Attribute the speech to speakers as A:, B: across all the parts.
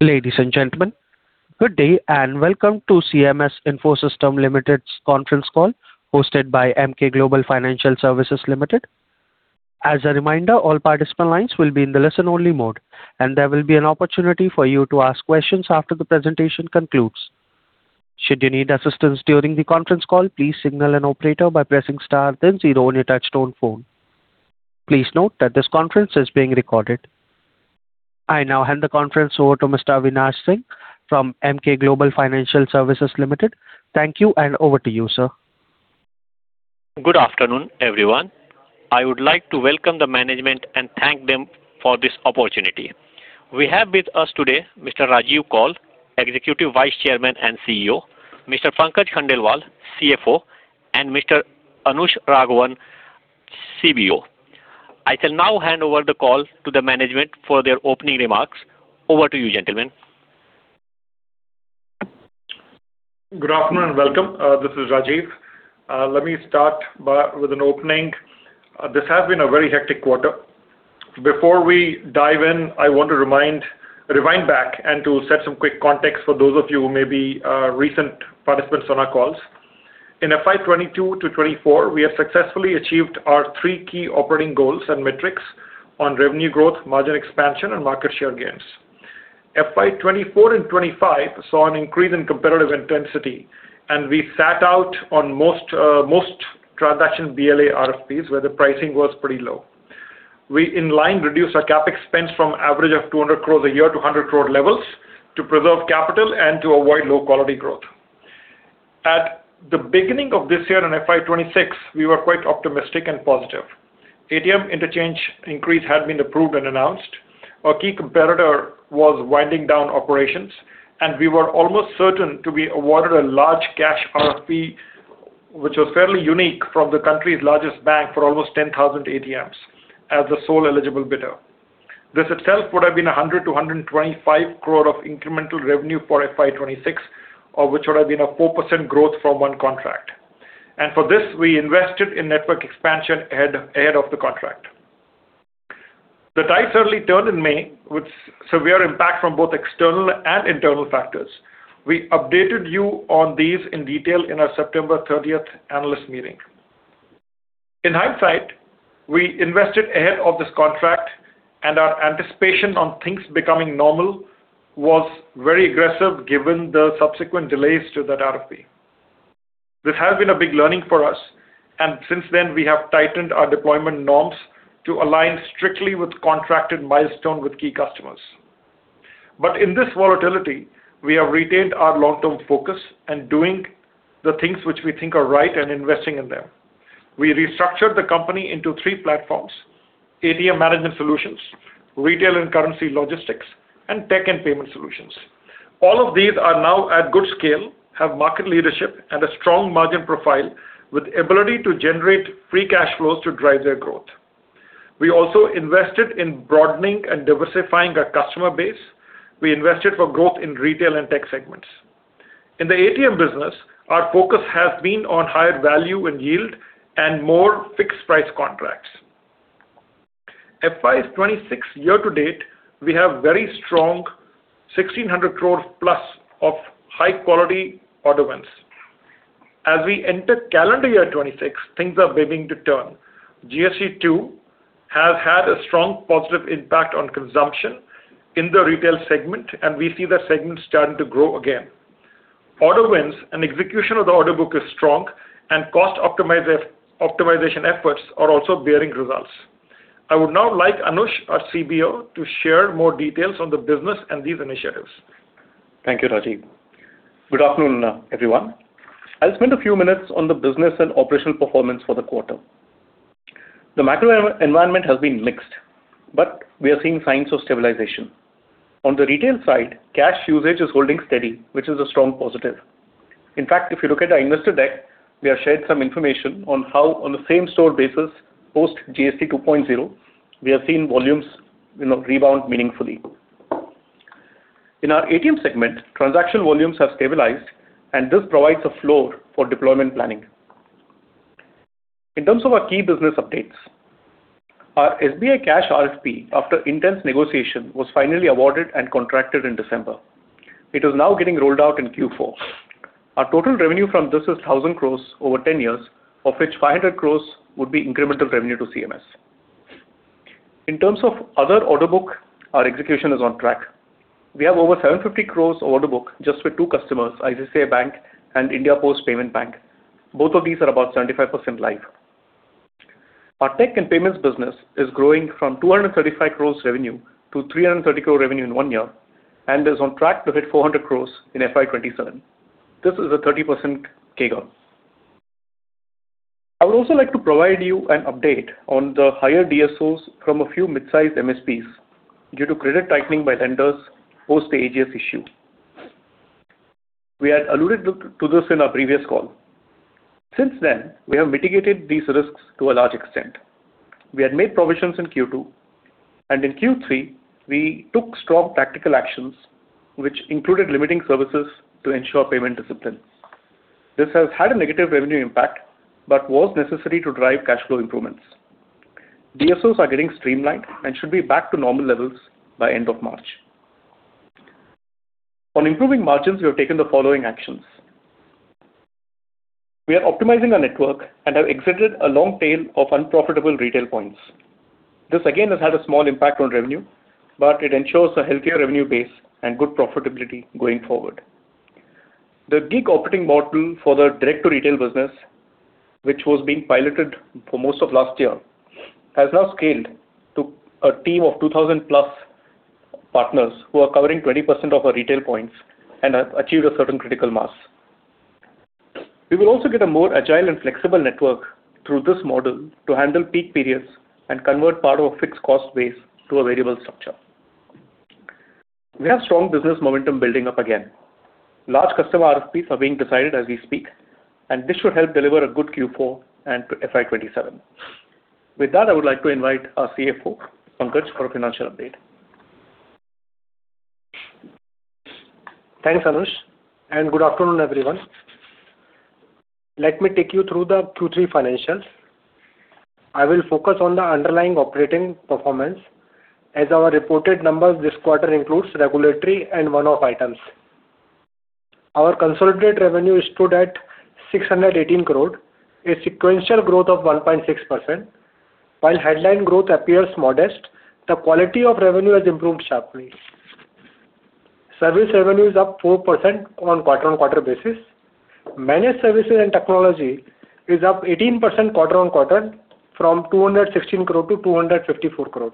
A: Ladies and gentlemen, good day, and welcome to CMS Info Systems Limited's conference call, hosted by Emkay Global Financial Services Limited. As a reminder, all participant lines will be in the listen-only mode, and there will be an opportunity for you to ask questions after the presentation concludes. Should you need assistance during the conference call, please signal an operator by pressing Star, then zero on your touchtone phone. Please note that this conference is being recorded. I now hand the conference over to Mr. Avinash Singh from Emkay Global Financial Services Limited. Thank you, and over to you, sir.
B: Good afternoon, everyone. I would like to welcome the management and thank them for this opportunity. We have with us today Mr. Rajiv Kaul, Executive Vice Chairman and CEO, Mr. Pankaj Khandelwal, CFO, and Mr. Anush Raghavan, CBO. I shall now hand over the call to the management for their opening remarks. Over to you, gentlemen.
C: Good afternoon, and welcome. This is Rajiv. Let me start by with an opening. This has been a very hectic quarter. Before we dive in, I want to remind, rewind back and to set some quick context for those of you who may be recent participants on our calls. In FY 2022 to 2024, we have successfully achieved our three key operating goals and metrics on revenue growth, margin expansion, and market share gains. FY 2024 and 2025 saw an increase in competitive intensity, and we sat out on most transaction BLA RFPs, where the pricing was pretty low. We in line reduced our CapEx spends from average of 200 crore a year to 100 crore levels, to preserve capital and to avoid low-quality growth. At the beginning of this year in FY 2026, we were quite optimistic and positive. ATM interchange increase had been approved and announced. Our key competitor was winding down operations, and we were almost certain to be awarded a large cash RFP, which was fairly unique from the country's largest bank for almost 10,000 ATMs as the sole eligible bidder. This itself would have been 100 crore-125 crore of incremental revenue for FY 2026, of which would have been a 4% growth from one contract. For this, we invested in network expansion ahead, ahead of the contract. The tide certainly turned in May, with severe impact from both external and internal factors. We updated you on these in detail in our September thirtieth analyst meeting. In hindsight, we invested ahead of this contract, and our anticipation on things becoming normal was very aggressive, given the subsequent delays to that RFP. This has been a big learning for us, and since then, we have tightened our deployment norms to align strictly with contracted milestone with key customers. But in this volatility, we have retained our long-term focus and doing the things which we think are right and investing in them. We restructured the company into three platforms: ATM management solutions, retail and currency logistics, and tech and payment solutions. All of these are now at good scale, have market leadership and a strong margin profile, with ability to generate free cash flows to drive their growth. We also invested in broadening and diversifying our customer base. We invested for growth in retail and tech segments. In the ATM business, our focus has been on higher value and yield and more fixed-price contracts. FY26 year to date, we have very strong 1,600 crore plus of high-quality order wins. As we enter calendar year 2026, things are beginning to turn. GST 2.0 has had a strong positive impact on consumption in the retail segment, and we see that segment starting to grow again. Order wins and execution of the order book is strong, and cost optimization efforts are also bearing results. I would now like Anush, our CBO, to share more details on the business and these initiatives.
D: Thank you, Rajiv. Good afternoon, everyone. I'll spend a few minutes on the business and operational performance for the quarter. The macro environment has been mixed, but we are seeing signs of stabilization. On the retail side, cash usage is holding steady, which is a strong positive. In fact, if you look at our investor deck, we have shared some information on how, on the same store basis, post GST 2.0, we have seen volumes, you know, rebound meaningfully. In our ATM segment, transaction volumes have stabilized, and this provides a floor for deployment planning. In terms of our key business updates, our SBI Cash RFP, after intense negotiation, was finally awarded and contracted in December. It is now getting rolled out in Q4. Our total revenue from this is 1,000 crore over 10 years, of which 500 crore would be incremental revenue to CMS. In terms of other order book, our execution is on track. We have over 750 crore order book just with two customers, ICICI Bank and India Post Payments Bank. Both of these are about 75% live. Our tech and payments business is growing from 235 crore revenue to 330 crore revenue in one year, and is on track to hit 400 crore in FY 2027. This is a 30% CAGR. I would also like to provide you an update on the higher DSOs from a few mid-sized MSPs due to credit tightening by lenders post the AGS issue. We had alluded to this in our previous call. Since then, we have mitigated these risks to a large extent. We had made provisions in Q2, and in Q3, we took strong tactical actions, which included limiting services to ensure payment discipline. This has had a negative revenue impact, but was necessary to drive cash flow improvements. DSOs are getting streamlined and should be back to normal levels by end of March. On improving margins, we have taken the following actions: We are optimizing our network and have exited a long tail of unprofitable retail points. This again, has had a small impact on revenue, but it ensures a healthier revenue base and good profitability going forward. The gig operating model for the direct-to-retail business, which was being piloted for most of last year, has now scaled to a team of 2,000+ partners who are covering 20% of our retail points and have achieved a certain critical mass. We will also get a more agile and flexible network through this model to handle peak periods and convert part of a fixed cost base to a variable structure. We have strong business momentum building up again. Large customer RFPs are being decided as we speak, and this should help deliver a good Q4 and to FY 2027. With that, I would like to invite our CFO, Pankaj, for a financial update.
E: Thanks, Anush, and good afternoon, everyone. Let me take you through the Q3 financials. I will focus on the underlying operating performance, as our reported numbers this quarter includes regulatory and one-off items. Our consolidated revenue stood at 618 crore, a sequential growth of 1.6%. While headline growth appears modest, the quality of revenue has improved sharply. Service revenue is up 4% on quarter-on-quarter basis. Managed services and technology is up 18% quarter-on-quarter from INR 216 crore-INR 254 crore.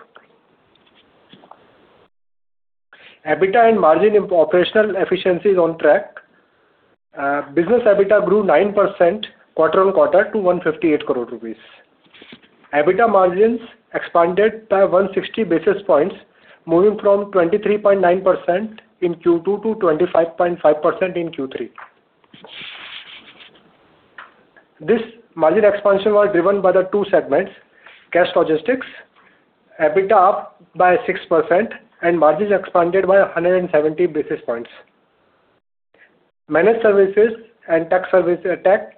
E: EBITDA and margin operational efficiency is on track. Business EBITDA grew 9% quarter-on-quarter to 158 crore rupees. EBITDA margins expanded by 160 basis points, moving from 23.9% in Q2 to 25.5% in Q3. This margin expansion was driven by the two segments, cash logistics, EBITDA up by 6%, and margins expanded by 170 basis points. Managed services and tech service, tech,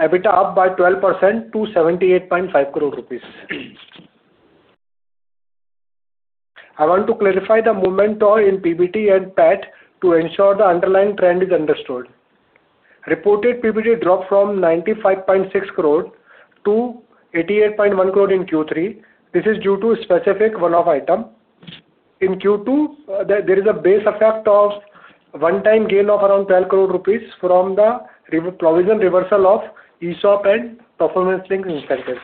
E: EBITDA up by 12% to 78.5 crore rupees. I want to clarify the momentum in PBT and PAT to ensure the underlying trend is understood. Reported PBT dropped from 95.6 crore to 88.1 crore in Q3. This is due to a specific one-off item. In Q2, there is a base effect of one-time gain of around 12 crore rupees from the reprovision reversal of ESOP and performance-linked incentives.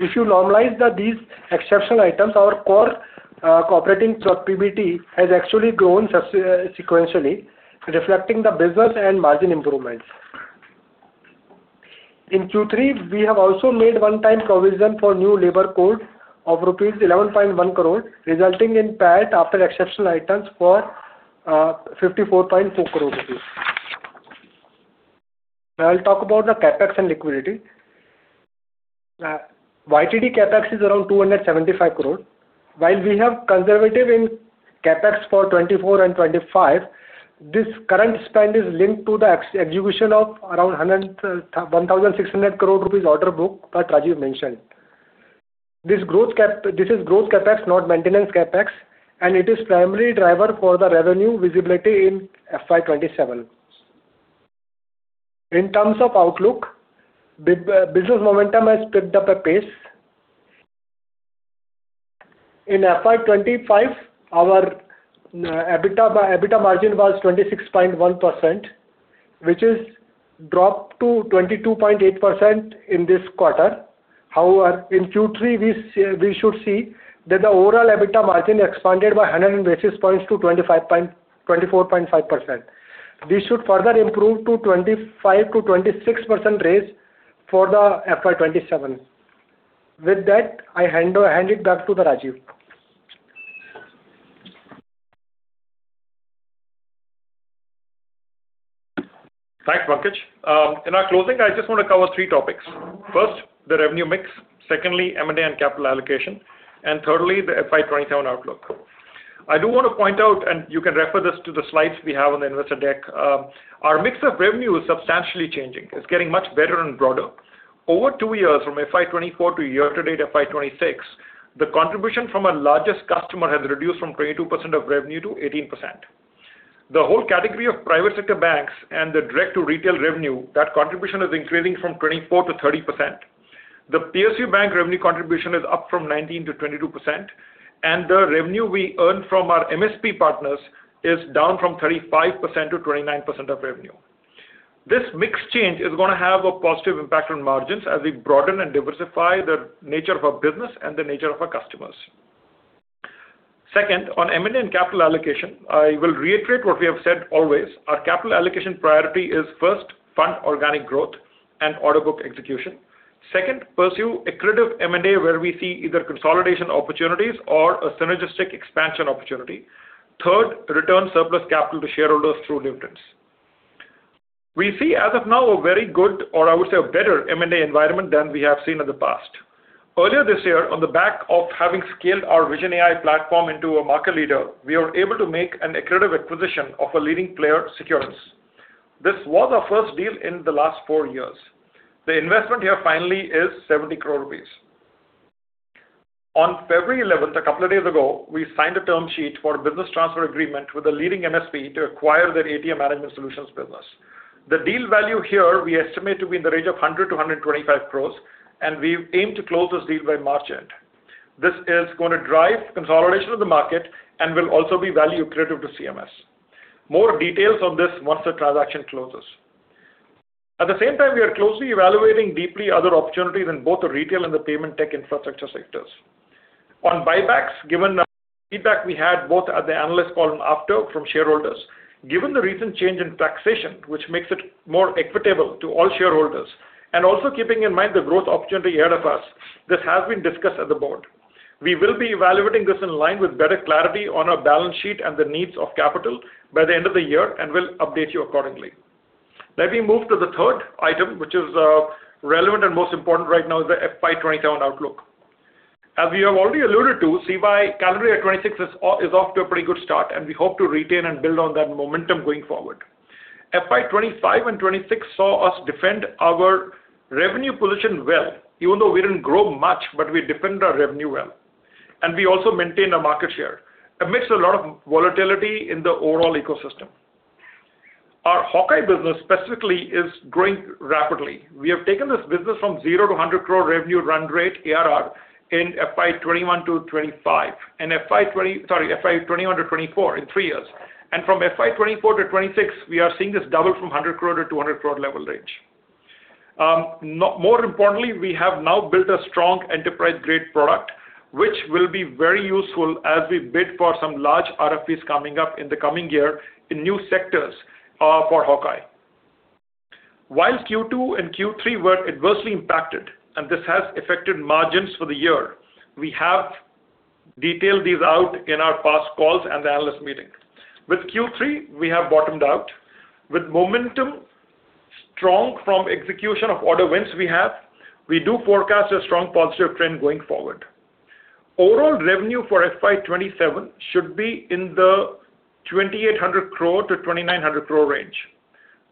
E: If you normalize these exceptional items, our core operating PBT has actually grown successively sequentially, reflecting the business and margin improvements. In Q3, we have also made one-time provision for new labor code of rupees 11.1 crore, resulting in PAT after exceptional items for 54.4 crore rupees. Now, I'll talk about the CapEx and liquidity. YTD CapEx is around 275 crore. While we have conservative in CapEx for 2024 and 2025, this current spend is linked to the execution of around 1,600 crore rupees order book that Rajiv mentioned. This growth CapEx. This is growth CapEx, not maintenance CapEx, and it is primary driver for the revenue visibility in FY 2027. In terms of outlook, the business momentum has picked up a pace. In FY 2025, our EBITDA margin was 26.1%, which is dropped to 22.8% in this quarter. However, in Q3, we should see that the overall EBITDA margin expanded by 100 basis points to 24.5%. This should further improve to 25%-26% range for the FY 2027. With that, I hand it back to Rajiv.
C: Thanks, Pankaj. In our closing, I just want to cover three topics. First, the revenue mix, secondly, M&A and capital allocation, and thirdly, the FY 2027 outlook. I do want to point out, and you can refer this to the slides we have on the investor deck, our mix of revenue is substantially changing. It's getting much better and broader. Over two years, from FY 2024 to year-to-date of FY 2026, the contribution from our largest customer has reduced from 22% of revenue to 18%. The whole category of private sector banks and the direct-to-retail revenue, that contribution is increasing from 24% to 30%. The PSU bank revenue contribution is up from 19% to 22%, and the revenue we earn from our MSP partners is down from 35% to 29% of revenue. This mix change is going to have a positive impact on margins as we broaden and diversify the nature of our business and the nature of our customers. Second, on M&A and capital allocation, I will reiterate what we have said always. Our capital allocation priority is, first, fund organic growth and order book execution. Second, pursue accretive M&A, where we see either consolidation opportunities or a synergistic expansion opportunity. Third, return surplus capital to shareholders through dividends. We see, as of now, a very good, or I would say, a better M&A environment than we have seen in the past. Earlier this year, on the back of having scaled our Vision AI platform into a market leader, we were able to make an accretive acquisition of a leading player, Securens. This was our first deal in the last four years. The investment here finally is 70 crore rupees. On February eleventh, a couple of days ago, we signed a term sheet for a business transfer agreement with a leading MSP to acquire their ATM management solutions business. The deal value here we estimate to be in the range of 100 crore-125 crore, and we aim to close this deal by March end. This is going to drive consolidation of the market and will also be value accretive to CMS. More details on this once the transaction closes. At the same time, we are closely evaluating deeply other opportunities in both the retail and the payment tech infrastructure sectors. On buybacks, given the feedback we had both at the analyst call and after from shareholders, given the recent change in taxation, which makes it more equitable to all shareholders, and also keeping in mind the growth opportunity ahead of us, this has been discussed at the board. We will be evaluating this in line with better clarity on our balance sheet and the needs of capital by the end of the year, and we'll update you accordingly. Let me move to the third item, which is relevant and most important right now is the FY 2027 outlook. As we have already alluded to, CY calendar year 2026 is off to a pretty good start, and we hope to retain and build on that momentum going forward. FY 2025 and 2026 saw us defend our revenue position well, even though we didn't grow much, but we defend our revenue well, and we also maintain our market share. Amidst a lot of volatility in the overall ecosystem. Our Hawkeye business specifically is growing rapidly. We have taken this business from zero to 100 crore revenue run rate ARR in FY 2021 to 2025, and FY twenty—sorry, FY 2021 to 2024, in three years. From FY 2024 to 2026, we are seeing this double from 100 crore-200 crore level range. More importantly, we have now built a strong enterprise-grade product, which will be very useful as we bid for some large RFPs coming up in the coming year in new sectors for Hawkeye. While Q2 and Q3 were adversely impacted, and this has affected margins for the year, we have detailed these out in our past calls and the analyst meeting. With Q3, we have bottomed out. With momentum strong from execution of order wins we have, we do forecast a strong positive trend going forward. Overall revenue for FY 2027 should be in the 2,800 crore-2,900 crore range.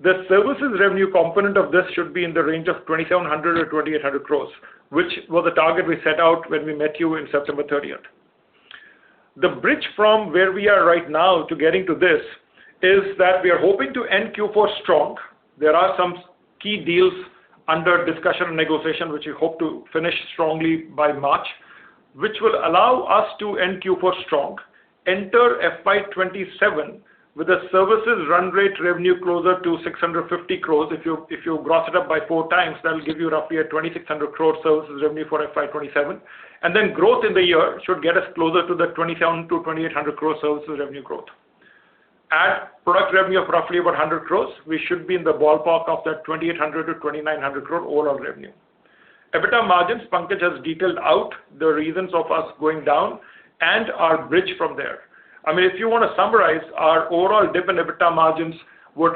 C: The services revenue component of this should be in the range of 2,700 or 2,800 crores, which was the target we set out when we met you in September 30. The bridge from where we are right now to getting to this is that we are hoping to end Q4 strong. There are some key deals under discussion and negotiation, which we hope to finish strongly by March, which will allow us to end Q4 strong, enter FY 2027 with a services run rate revenue closer to 650 crore. If you gross it up by four times, that will give you roughly a 2,600 crore services revenue for FY 2027, and then growth in the year should get us closer to the 2,700 crore-2,800 crore services revenue growth. At product revenue of roughly about 100 crore, we should be in the ballpark of that 2,800 crore-2,900 crore overall revenue. EBITDA margins, Pankaj has detailed out the reasons of us going down and our bridge from there. I mean, if you want to summarize our overall dip in EBITDA margins,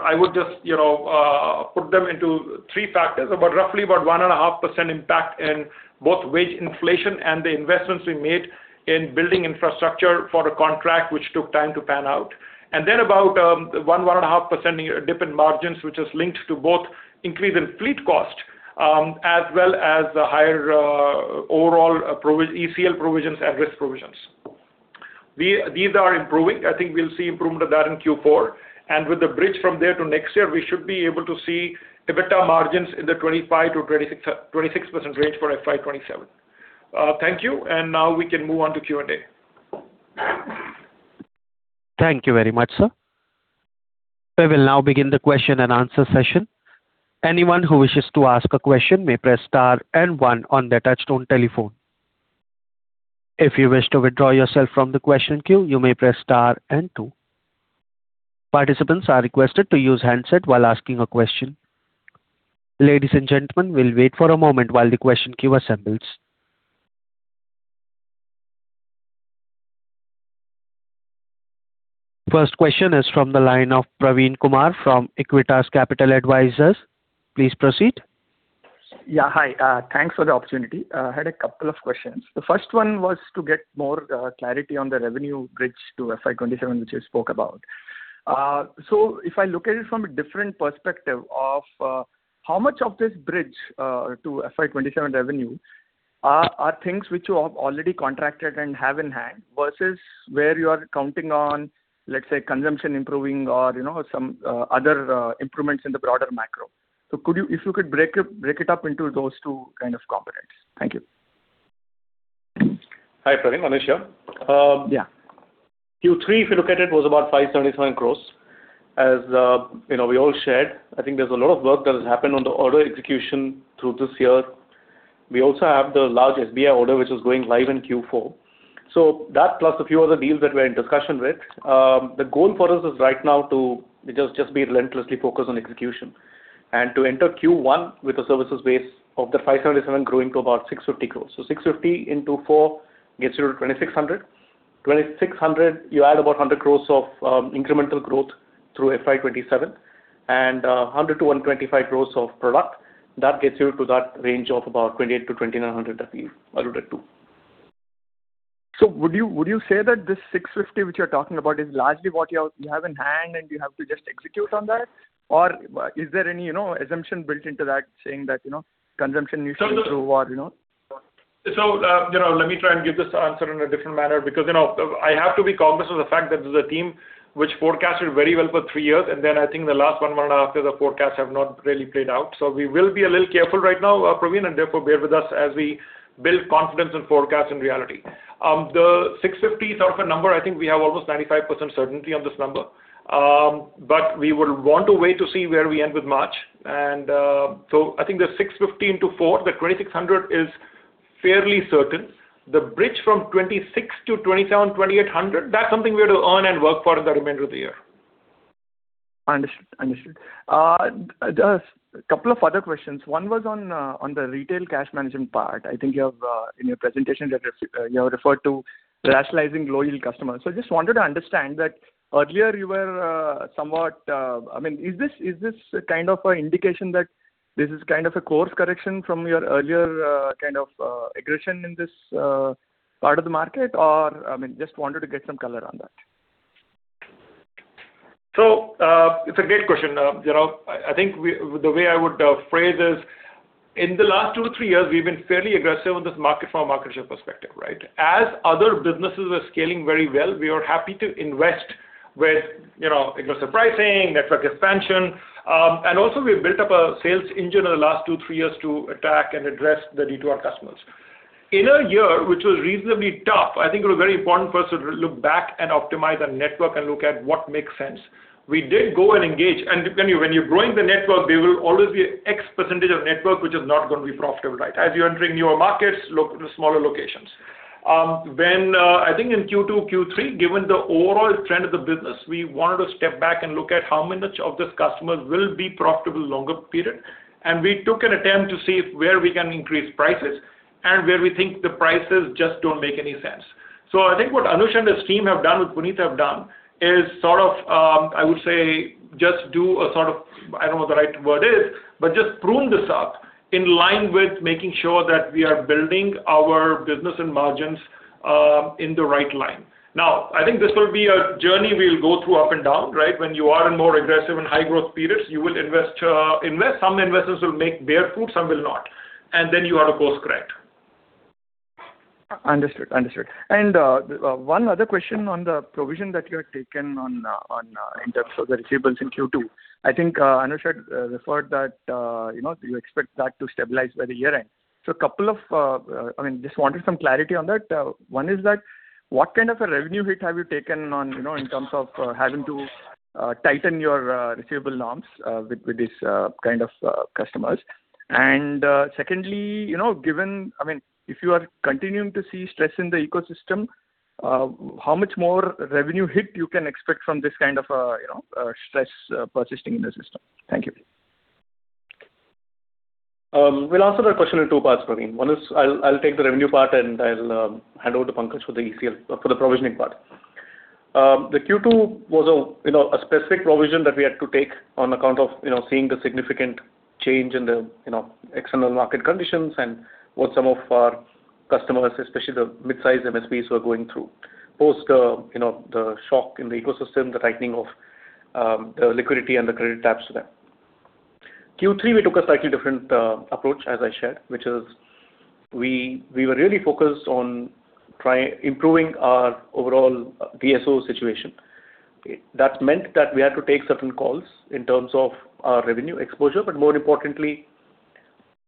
C: I would just, you know, put them into three factors, about roughly about 1.5% impact in both wage inflation and the investments we made in building infrastructure for a contract which took time to pan out. And then about 1.5% dip in margins, which is linked to both increase in fleet cost, as well as the higher overall provision, ECL provisions and risk provisions. These are improving. I think we'll see improvement of that in Q4, and with the bridge from there to next year, we should be able to see EBITDA margins in the 25%-26% range for FY 2027. Thank you. And now we can move on to Q&A.
A: Thank you very much, sir. We will now begin the question and answer session. Anyone who wishes to ask a question may press star and one on their touchtone telephone. If you wish to withdraw yourself from the question queue, you may press star and two. Participants are requested to use handset while asking a question. Ladies and gentlemen, we'll wait for a moment while the question queue assembles. First question is from the line of Praveen Kumar from Equitas Capital Advisors. Please proceed.
F: Yeah, hi. Thanks for the opportunity. I had a couple of questions. The first one was to get more clarity on the revenue bridge to FY 2027, which you spoke about. So if I look at it from a different perspective of how much of this bridge to FY 2027 revenue are things which you have already contracted and have in hand, versus where you are counting on, let's say, consumption improving or, you know, some other improvements in the broader macro? So could you if you could break it, break it up into those two kind of components. Thank you.
D: Hi, Praveen, Manish here.
F: Yeah.
D: Q3, if you look at it, was about 577 crores. As you know, we all shared, I think there's a lot of work that has happened on the order execution through this year. We also have the large SBI order, which is going live in Q4. So that plus a few other deals that we're in discussion with, the goal for us is right now to just be relentlessly focused on execution. And to enter Q1 with a services base of the 577 growing to about 650 crores. So 650 into 4 gets you to 2,600. 2,600, you add about 100 crores of incremental growth through FY 2027, and 100 crores-125 crores of product, that gets you to that range of about 2,800-2,900 that we've alluded to.
F: So would you, would you say that this 650, which you're talking about, is largely what you have, you have in hand, and you have to just execute on that? Or is there any, you know, assumption built into that, saying that, you know, consumption needs to go through what, you know?
C: So, you know, let me try and give this answer in a different manner, because, you know, I have to be conscious of the fact that this is a team which forecasted very well for three years, and then I think the last one, 1.5 years, the forecasts have not really played out. So we will be a little careful right now, Praveen, and therefore bear with us as we build confidence and forecast in reality. The 650 is sort of a number. I think we have almost 95% certainty on this number. But we will want to wait to see where we end with March, and, so I think the 615 to 640, the 2,600 is fairly certain. The bridge from 26 to 27, 2,800, that's something we have to earn and work for in the remainder of the year.
F: Understood. Understood. Just a couple of other questions. One was on the retail cash management part. I think you have in your presentation, you have referred to rationalizing low-yield customers. So I just wanted to understand that earlier you were somewhat—I mean, is this, is this kind of an indication that this is kind of a course correction from your earlier kind of aggression in this part of the market? Or, I mean, just wanted to get some color on that.
C: So, it's a great question. You know, I think the way I would phrase is, in the last 2-3 years, we've been fairly aggressive on this market from a market share perspective, right? As other businesses are scaling very well, we are happy to invest with, you know, aggressive pricing, network expansion. And also we built up a sales engine in the last 2-3 years to attack and address the D2 customers. In a year, which was reasonably tough, I think it was very important for us to look back and optimize our network and look at what makes sense. We did go and engage, and when you, when you're growing the network, there will always be X% of network which is not going to be profitable, right? As you're entering newer markets, look to smaller locations. Then, I think in Q2, Q3, given the overall trend of the business, we wanted to step back and look at how many of these customers will be profitable longer period. We took an attempt to see if where we can increase prices and where we think the prices just don't make any sense. So I think what Anush and his team have done, with Puneet, have done, is sort of, I would say, just do a sort of, I don't know what the right word is, but just prune this up in line with making sure that we are building our business and margins in the right line. Now, I think this will be a journey we'll go through up and down, right? When you are in more aggressive and high-growth periods, you will invest. Some investments will bear fruit, some will not. And then you ought to course correct.
F: Understood. Understood. And, one other question on the provision that you have taken on, in terms of the receivables in Q2. I think, Anush had referred that, you know, you expect that to stabilize by the year-end. So a couple of, I mean, just wanted some clarity on that. One is that, what kind of a revenue hit have you taken on, you know, in terms of, having to, tighten your, receivable norms, with, with these, kind of, customers? And, secondly, you know, given—I mean, if you are continuing to see stress in the ecosystem, how much more revenue hit you can expect from this kind of, you know, stress persisting in the system? Thank you.
D: We'll answer that question in two parts, Praveen. One is I'll take the revenue part, and I'll hand over to Pankaj for the ECL, for the provisioning part. The Q2 was, you know, a specific provision that we had to take on account of, you know, seeing the significant change in the, you know, external market conditions and what some of our customers, especially the mid-sized MSPs, were going through. Post, you know, the shock in the ecosystem, the tightening of the liquidity and the credit taps to them. Q3, we took a slightly different approach, as I shared, which is we were really focused on try improving our overall DSO situation. That meant that we had to take certain calls in terms of our revenue exposure, but more importantly,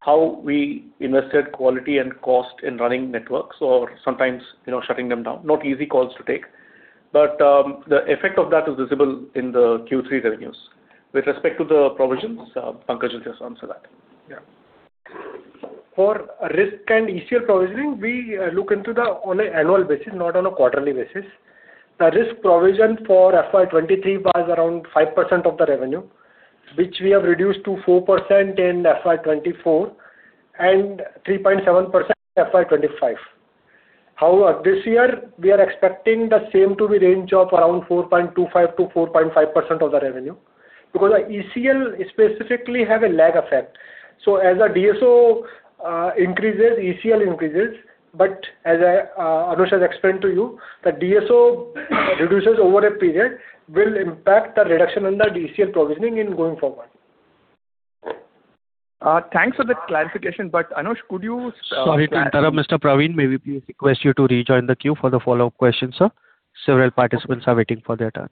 D: how we invested quality and cost in running networks or sometimes, you know, shutting them down. Not easy calls to take, but the effect of that is visible in the Q3 revenues. With respect to the provisions, Pankaj will just answer that.
E: Yeah. For risk and ECL provisioning, we look into them on an annual basis, not on a quarterly basis. The risk provision for FY 2023 was around 5% of the revenue, which we have reduced to 4% in FY 2024 and 3.7% in FY 2025. This year, we are expecting the same to be in the range of around 4.25%-4.5% of the revenue, because the ECL specifically have a lag effect. So as our DSO increases, ECL increases, but as I, Anush has explained to you, the DSO reduces over a period will impact the reduction in the ECL provisioning going forward.
F: Thanks for the clarification, but, Anush, could you-
A: Sorry to interrupt, Mr. Praveen. May we please request you to rejoin the queue for the follow-up question, sir. Several participants are waiting for their turn.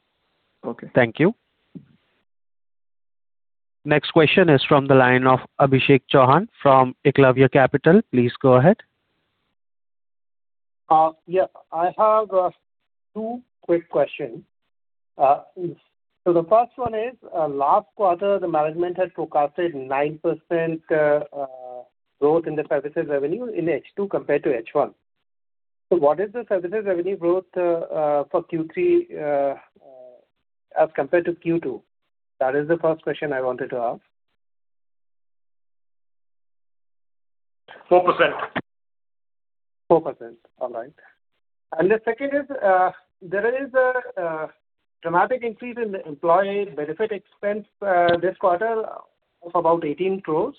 F: Okay.
A: Thank you. Next question is from the line of Abhishek Chauhan from Eklavya Capital. Please go ahead.
G: Yeah, I have two quick questions. So the first one is, last quarter, the management had forecasted 9% growth in the services revenue in H2 compared to H1. So what is the services revenue growth for Q3 as compared to Q2? That is the first question I wanted to ask.
C: Four percent.
G: 4%. All right. And the second is, there is a dramatic increase in the employee benefit expense, this quarter of about 18 crore.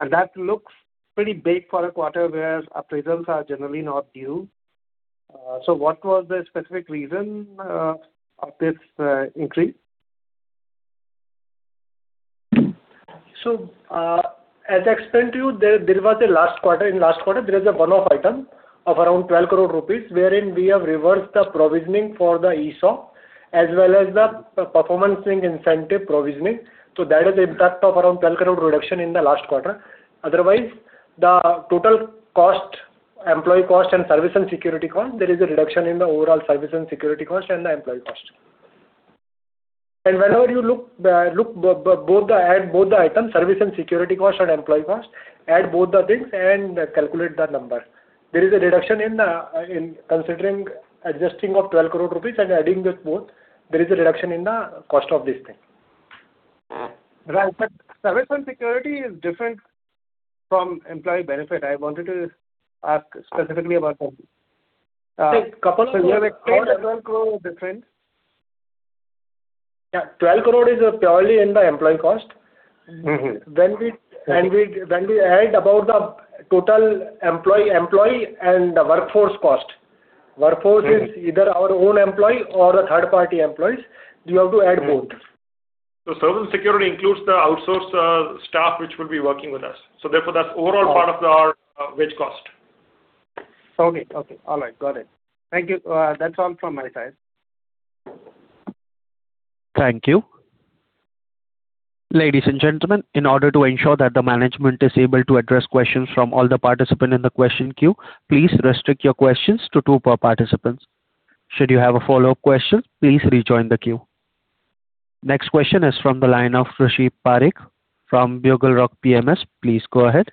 G: And that looks pretty big for a quarter where appraisals are generally not due. So what was the specific reason of this increase?
E: So, as I explained to you, there was a last quarter. In last quarter, there is a one-off item of around 12 crore rupees, wherein we have reversed the provisioning for the ESOP, as well as the performance link incentive provisioning. So that is the impact of around INR 12 crore reduction in the last quarter. Otherwise, the total cost, employee cost and service and security cost, there is a reduction in the overall service and security cost and the employee cost. And whenever you look, look both the add, both the items, service and security cost and employee cost, add both the things and calculate the number. There is a reduction in, in considering adjusting of 12 crore rupees and adding this both. There is a reduction in the cost of this thing.
G: Right. But service and security is different from employee benefit. I wanted to ask specifically about that. A couple of- INR 12 crore different.
C: Yeah, 12 crore is purely in the employee cost.
G: Mm-hmm.
C: When we-
G: Okay.
C: We, when we add about the total employee and the workforce cost.
G: Mm-hmm.
C: Workforce is either our own employee or a third-party employees. You have to add both.
D: So service and security includes the outsourced staff, which will be working with us. So therefore, that's overall-
G: Oh
D: -part of our, wage cost.
G: Okay, okay. All right, got it. Thank you. That's all from my side.
A: Thank you. Ladies and gentlemen, in order to ensure that the management is able to address questions from all the participants in the question queue, please restrict your questions to two per participant. Should you have a follow-up question, please rejoin the queue. Next question is from the line of Krushi Parekh, from BugleRock PMS. Please go ahead.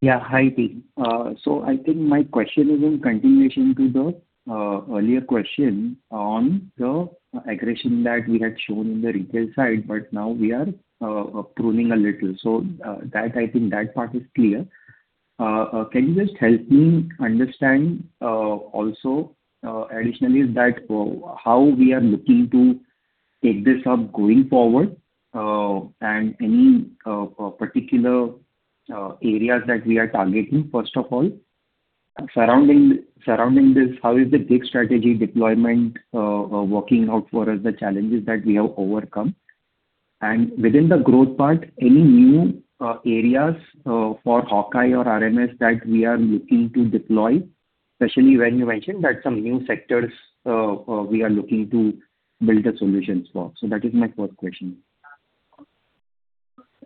H: Yeah. Hi, team. So I think my question is in continuation to the earlier question on the aggression that we had shown in the retail side, but now we are pruning a little. So, that, I think that part is clear. Can you just help me understand also additionally is that how we are looking to take this up going forward, and any particular areas that we are targeting, first of all? Surrounding this, how is the big strategy deployment working out for us, the challenges that we have overcome? And within the growth part, any new areas for Hawkeye or RMS that we are looking to deploy, especially when you mentioned that some new sectors we are looking to build the solutions for. So that is my first question.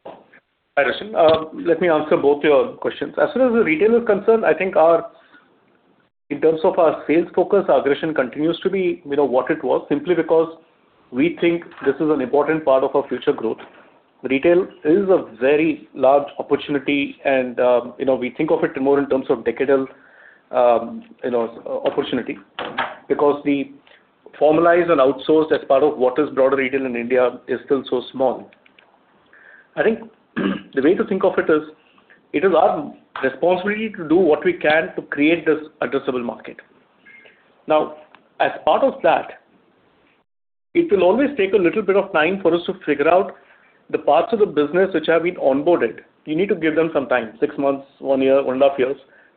D: Hi, Krushi. Let me answer both your questions. As far as the retail is concerned, I think our, in terms of our sales focus, our aggression continues to be, you know, what it was, simply because we think this is an important part of our future growth. Retail is a very large opportunity, and, you know, we think of it more in terms of decadal, you know, opportunity. Because the formalized and outsourced as part of what is broader retail in India is still so small. I think, the way to think of it is, it is our responsibility to do what we can to create this addressable market. Now, as part of that, it will always take a little bit of time for us to figure out the parts of the business which have been onboarded. You need to give them some time, six months, one year, 1.5 years,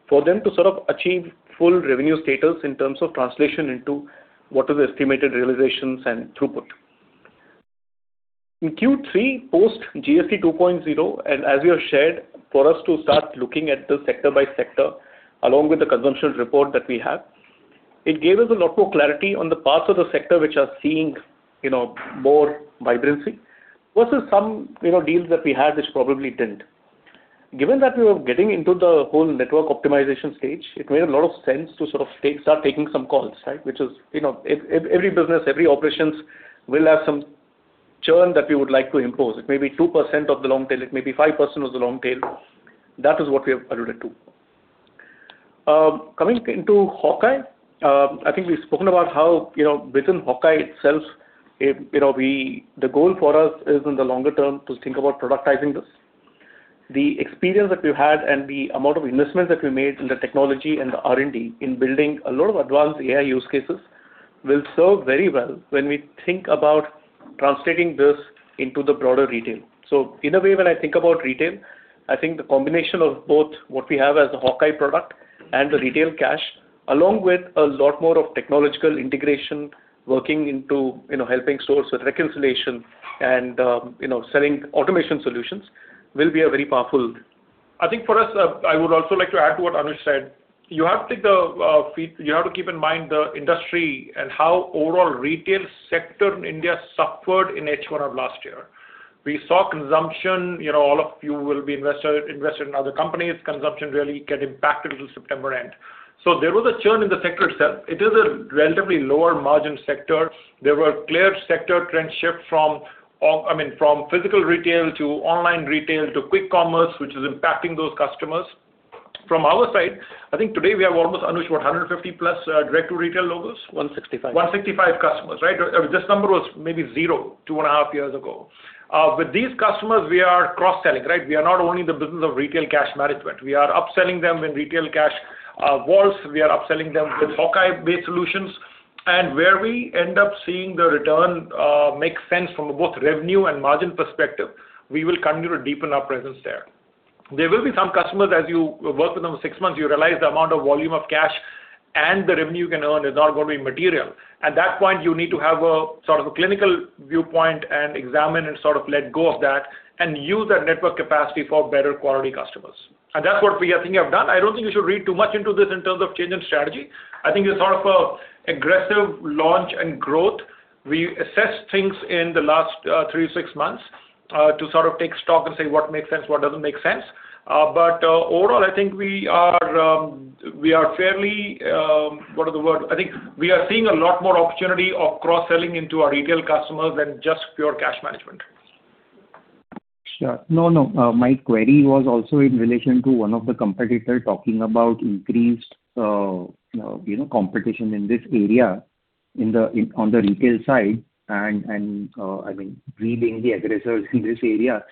D: for them to sort of achieve full revenue status in terms of translation into what is the estimated realizations and throughput. In Q3, post GST 2.0, and as we have shared, for us to start looking at this sector by sector, along with the consumption report that we have, it gave us a lot more clarity on the parts of the sector which are seeing, you know, more vibrancy, versus some, you know, deals that we had, which probably didn't. Given that we were getting into the whole network optimization stage, it made a lot of sense to sort of take, start taking some calls, right? Which is, you know, every business, every operations will have some churn that we would like to impose. It may be 2% of the long tail, it may be 5% of the long tail. That is what we have alluded to. Coming into Hawkeye, I think we've spoken about how, you know, within Hawkeye itself, it, you know, the goal for us is in the longer term, to think about productizing this. The experience that we've had and the amount of investments that we made in the technology and the R&D in building a lot of advanced AI use cases, will serve very well when we think about translating this into the broader retail. So in a way, when I think about retail, I think the combination of both what we have as a Hawkeye product and the retail cash, along with a lot more of technological integration, working into, you know, helping stores with reconciliation and, you know, selling automation solutions, will be a very powerful.
C: I think for us, I would also like to add to what Anush said. You have to take the, you have to keep in mind the industry and how overall retail sector in India suffered in H1 of last year. We saw consumption, you know, all of you will be invested in other companies. Consumption really get impacted till September end. So there was a churn in the sector itself. It is a relatively lower margin sector. There were clear sector trend shift, I mean, from physical retail to online retail to quick commerce, which is impacting those customers. From our side, I think today we have almost, Anush, 150+ direct to retail logos?
E: One sixty-five.
C: 165 customers, right? This number was maybe 0, 2.5 years ago. With these customers, we are cross-selling, right? We are not only in the business of retail cash management, we are upselling them in retail cash, vaults, we are upselling them with Hawkeye-based solutions and where we end up seeing the return, make sense from both revenue and margin perspective, we will continue to deepen our presence there. There will be some customers, as you work with them six months, you realize the amount of volume of cash and the revenue you can earn is not going to be material. At that point, you need to have a sort of a clinical viewpoint and examine and sort of let go of that, and use that network capacity for better quality customers. And that's what we, I think, have done. I don't think you should read too much into this in terms of change in strategy. I think it's sort of a aggressive launch and growth. We assessed things in the last, three to six months, to sort of take stock and say what makes sense, what doesn't make sense. Overall, I think we are seeing a lot more opportunity of cross-selling into our retail customers than just pure cash management.
H: Sure. No, no. My query was also in relation to one of the competitor talking about increased, you know, competition in this area, in the, on the retail side, and, and, I mean, we being the aggressors in this area.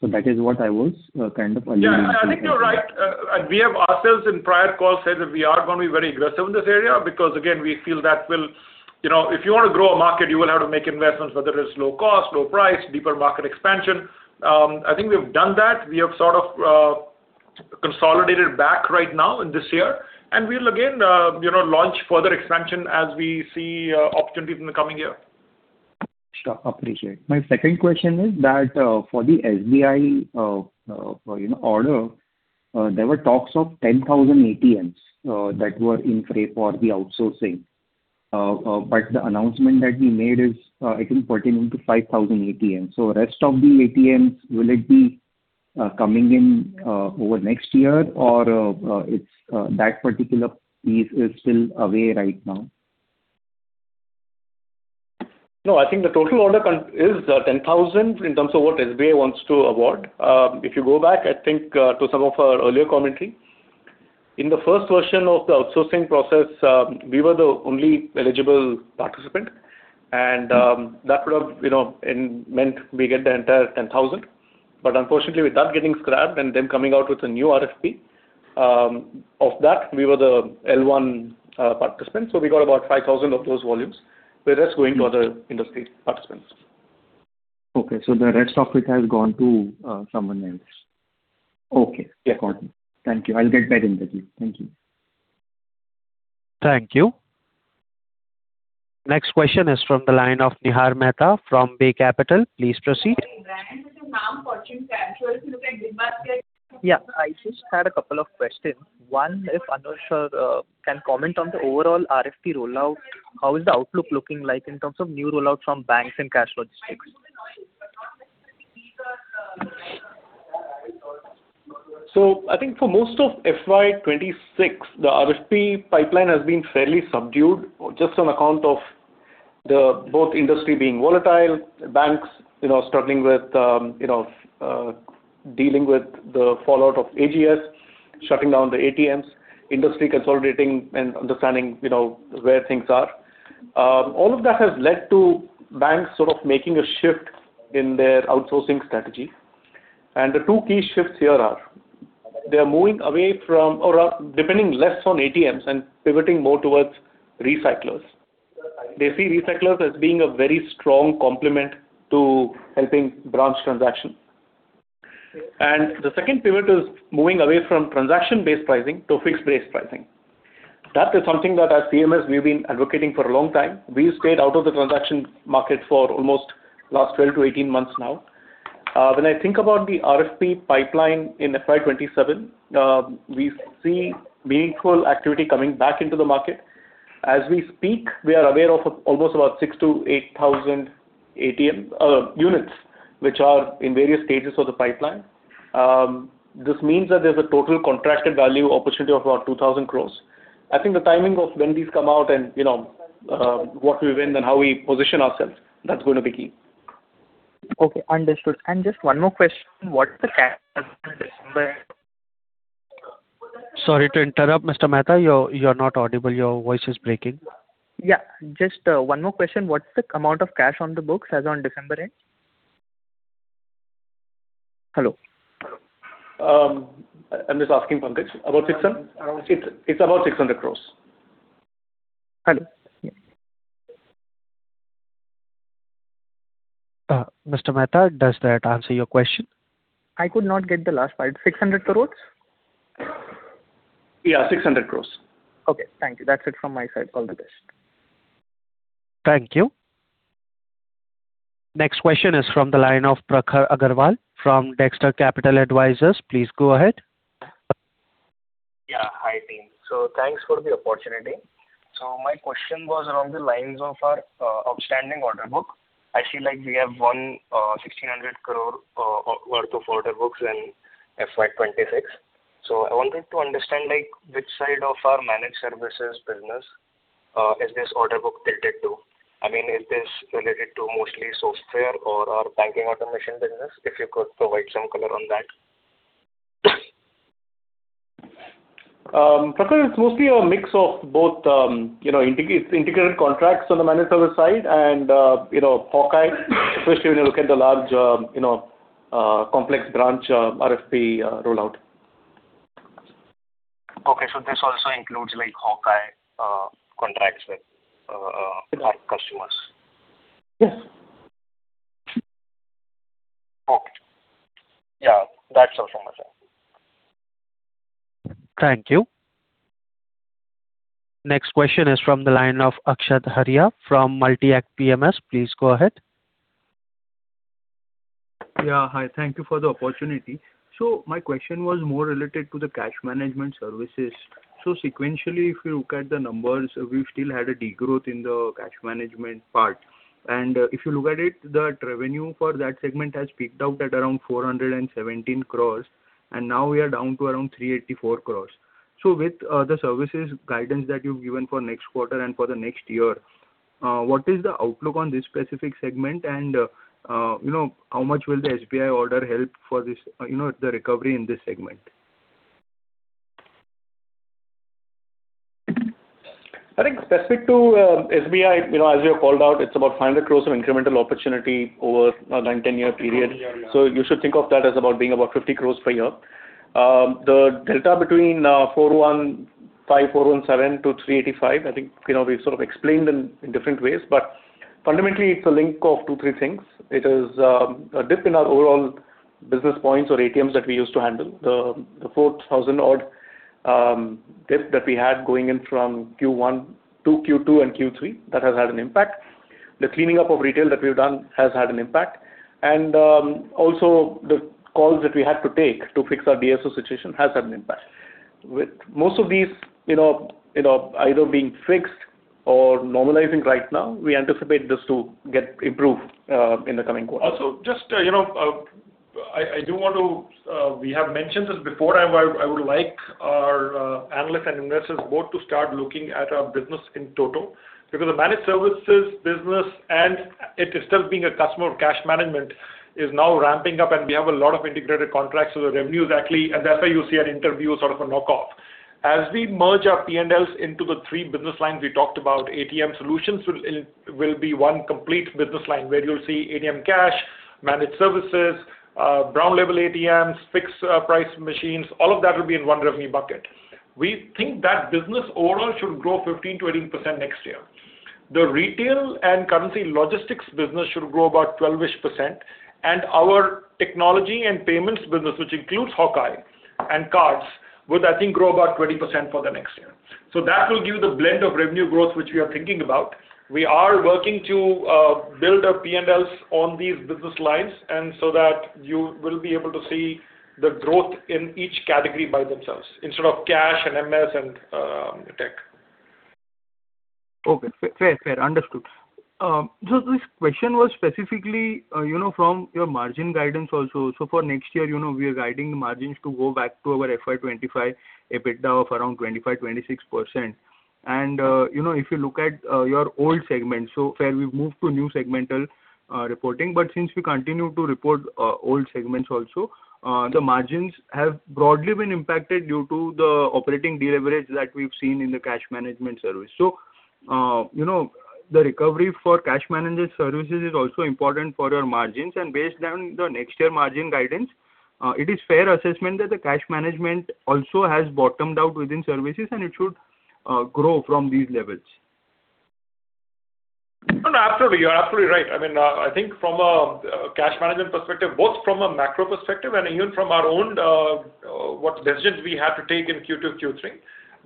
H: So that is what I was, kind of alluding to.
D: Yeah, I think you're right. And we have ourselves in prior calls said that we are going to be very aggressive in this area, because, again, we feel that will—you know, if you want to grow a market, you will have to make investments, whether it's low cost, low price, deeper market expansion. I think we've done that. We have sort of consolidated back right now in this year, and we'll again you know launch further expansion as we see opportunity in the coming year.
H: Sure. Appreciate. My second question is that, for the SBI, you know, order, there were talks of 10,000 ATMs, that were in play for the outsourcing. But the announcement that we made is, I think pertaining to 5,000 ATMs. So rest of the ATMs, will it be, coming in, over next year, or, it's, that particular piece is still away right now?
D: No, I think the total order is 10,000 in terms of what SBI wants to award. If you go back, I think, to some of our earlier commentary, in the first version of the outsourcing process, we were the only eligible participant, and that would have, you know, meant we get the entire 10,000. But unfortunately, with that getting scrapped and them coming out with a new RFP, of that, we were the L1 participant, so we got about 5,000 of those volumes. The rest going to other industry participants.
H: Okay, so the rest of it has gone to someone else. Okay, clear, got it. Thank you. I'll get back in touch with you. Thank you.
A: Thank you. Next question is from the line of Nihar Mehta from Bay Capital. Please proceed.
I: Yeah, I just had a couple of questions. One, if Anush Raghavan can comment on the overall RFP rollout, how is the outlook looking like in terms of new rollouts from banks and cash logistics?
D: So I think for most of FY 2026, the RFP pipeline has been fairly subdued, just on account of the both industry being volatile, banks, you know, struggling with, you know, dealing with the fallout of AGS, shutting down the ATMs, industry consolidating and understanding, you know, where things are. All of that has led to banks sort of making a shift in their outsourcing strategy. And the two key shifts here are: they are moving away from or are depending less on ATMs and pivoting more towards recyclers. They see recyclers as being a very strong complement to helping branch transactions. And the second pivot is moving away from transaction-based pricing to fixed-based pricing. That is something that as CMS, we've been advocating for a long time. We stayed out of the transaction market for almost last 12-18 months now. When I think about the RFP pipeline in FY 2027, we see meaningful activity coming back into the market. As we speak, we are aware of almost about 6,000-8,000 ATM units, which are in various stages of the pipeline. This means that there's a total contracted value opportunity of about 2,000 crore. I think the timing of when these come out and, you know, what we win and how we position ourselves, that's going to be key.
I: Okay, understood. Just one more question. What's the cash?
A: Sorry to interrupt, Mr. Mehta. You're, you're not audible. Your voice is breaking.
I: Yeah. Just, one more question. What's the amount of cash on the books as on December end?
A: Hello?
D: I'm just asking Pankaj.
E: About 600. It's about INR 600 crore.
I: Hello.
A: Mr. Mehta, does that answer your question?
I: I could not get the last part. 600 crore?
E: Yeah, 600 crore.
I: Okay, thank you. That's it from my side. All the best.
A: Thank you. Next question is from the line of Prakhar Agarwal from Dexter Capital Advisors. Please go ahead.
J: Yeah. Hi, team. So thanks for the opportunity. So my question was along the lines of our outstanding order book. I feel like we have won 1,600 crore worth of order books in FY 2026. So I wanted to understand, like, which side of our managed services business is this order book tilted to? I mean, is this related to mostly software or our banking automation business? If you could provide some color on that.
D: Prakhar, it's mostly a mix of both, you know, integrated contracts on the managed service side and, you know, Hawkeye, especially when you look at the large, you know, complex branch RFP rollout.
J: Okay, so this also includes, like, Hawkeye contracts with our customers?
D: Yes.
J: Okay. Yeah, that's all from my side.
A: Thank you. Next question is from the line of Akshat Hariya from Multi-Act PMS. Please go ahead.
K: Yeah, hi. Thank you for the opportunity. So my question was more related to the cash management services. So sequentially, if you look at the numbers, we've still had a degrowth in the cash management part. And, if you look at it, the revenue for that segment has peaked out at around 417 crore, and now we are down to around 384 crore. So with, the services guidance that you've given for next quarter and for the next year, what is the outlook on this specific segment? And, you know, how much will the SBI order help for this, you know, the recovery in this segment?
D: I think specific to SBI, you know, as you have called out, it's about 500 crore of incremental opportunity over a 9-10-year period.
K: Yeah, yeah.
D: So you should think of that as about being about 50 crore per year. The delta between 415, 417 to 385, I think, you know, we've sort of explained them in different ways, but fundamentally, it's a link of 2, 3 things. It is a dip in our overall business points or ATMs that we use to handle. The 4,000-odd dip that we had going in from Q1 to Q2 and Q3, that has had an impact. The cleaning up of retail that we've done has had an impact. And also the calls that we had to take to fix our DSO situation has had an impact. With most of these, you know, you know, either being fixed or normalizing right now, we anticipate this to get improved in the coming quarter.
C: Also, just, you know, I do want to. We have mentioned this before, and I would like our analysts and investors both to start looking at our business in total. Because the managed services business, and it is still being a customer of cash management, is now ramping up, and we have a lot of integrated contracts. So the revenues actually, and that's why you see an interplay, sort of a knock-on. As we merge our P&Ls into the three business lines we talked about, ATM solutions will be one complete business line, where you'll see ATM cash, managed services, brown label ATMs, fixed price machines, all of that will be in one revenue bucket. We think that business overall should grow 15%-18% next year. The retail and currency logistics business should grow about 12-ish%, and our technology and payments business, which includes Hawkeye and cards, would, I think, grow about 20% for the next year. So that will give you the blend of revenue growth, which we are thinking about. We are working to build our P&Ls on these business lines, and so that you will be able to see the growth in each category by themselves, instead of cash and MS and tech.
K: Okay. Fair, fair. Understood. So this question was specifically, you know, from your margin guidance also. So for next year, you know, we are guiding the margins to go back to our FY 2025, EBITDA of around 25-26%. And, you know, if you look at your old segment, so where we've moved to new segmental reporting, but since we continue to report old segments also, the margins have broadly been impacted due to the operating deleverage that we've seen in the cash management service. So, you know, the recovery for cash management services is also important for your margins, and based on the next year margin guidance, it is fair assessment that the cash management also has bottomed out within services, and it should grow from these levels.
C: No, absolutely. You're absolutely right. I mean, I think from a cash management perspective, both from a macro perspective and even from our own what decisions we had to take in Q2, Q3,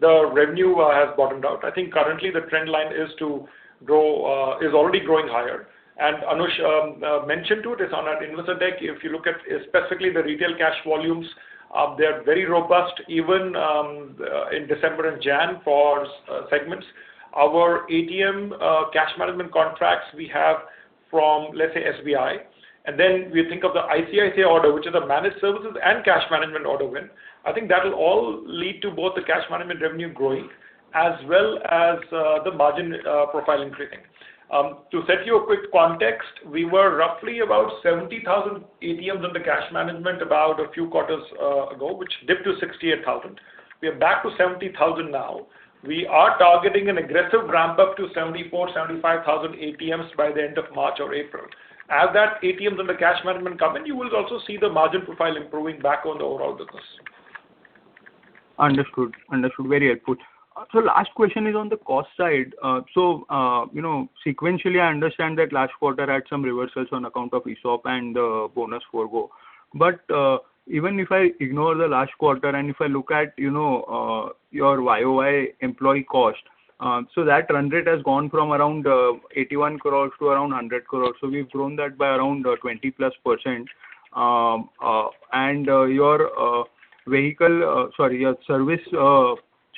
C: the revenue has bottomed out. I think currently the trend line is to grow is already growing higher. And Anush mentioned to it, is on our investor deck. If you look at specifically the retail cash volumes, they are very robust, even in December and January for segments. Our ATM cash management contracts we have from, let's say, SBI, and then we think of the ICICI order, which is a managed services and cash management order win. I think that will all lead to both the cash management revenue growing as well as the margin profile increasing. To set you a quick context, we were roughly about 70,000 ATMs under the cash management about a few quarters ago, which dipped to 68,000. We are back to 70,000 now. We are targeting an aggressive ramp up to 74,000-75,000 ATMs by the end of March or April. As that ATMs and the cash management come in, you will also see the margin profile improving back on the overall business.
K: Understood. Understood. Very helpful. So last question is on the cost side. So, you know, sequentially, I understand that last quarter had some reversals on account of ESOP and bonus forgo. But even if I ignore the last quarter and if I look at, you know, your YOY employee cost, so that run rate has gone from around 81 crore to around 100 crore. So we've grown that by around 20%+. And your vehicle, sorry, your service